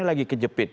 ini lagi kejepit